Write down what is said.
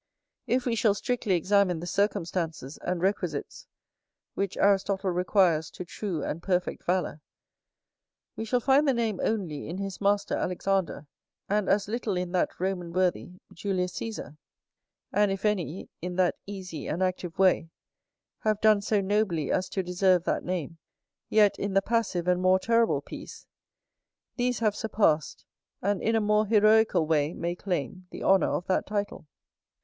If we shall strictly examine the circumstances and requisites which Aristotle requires to true and perfect valour, we shall find the name only in his master, Alexander, and as little in that Roman worthy, Julius Cæsar; and if any, in that easy and active way, have done so nobly as to deserve that name, yet, in the passive and more terrible piece, these have surpassed, and in a more heroical way may claim, the honour of that title.